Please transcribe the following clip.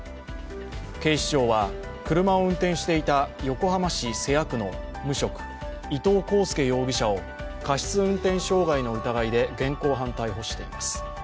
警視庁は、車を運転していた横浜市瀬谷区の無職、伊東航介容疑者を過失運転傷害の疑いで現行犯逮捕しています。